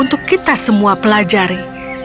untuk kita semua pelajari